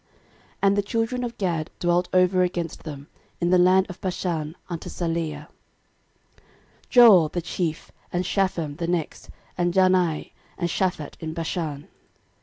13:005:011 And the children of Gad dwelt over against them, in the land of Bashan unto Salcah: 13:005:012 Joel the chief, and Shapham the next, and Jaanai, and Shaphat in Bashan.